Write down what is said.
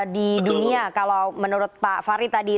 di dunia kalau menurut pak farid tadi